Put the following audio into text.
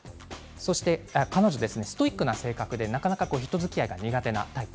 彼女はストイックな性格でなかなか人づきあいが苦手なタイプ。